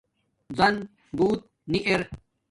زَن بوت نی ار